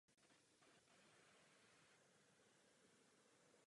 Pro snahu o vylepšení a zjednodušení tisku z plochy byly hlavně dva důvody.